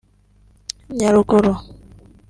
Nyaruguru